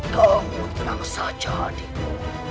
kamu tenang saja adikku